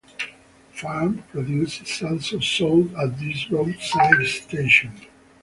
Farm produce is also sold at this roadside station.